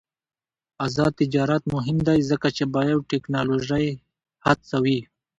آزاد تجارت مهم دی ځکه چې بایوټیکنالوژي هڅوي.